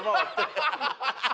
ハハハハ！